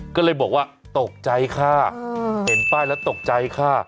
ก็เลยบอกว่าตกใจค่ะเห็นป้ายแล้วตกใจค่ะ